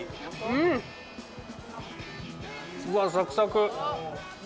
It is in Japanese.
うわサクサク。